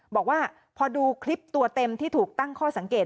บอกว่าพอดูคลิปตัวเต็มที่ถูกตั้งข้อสังเกต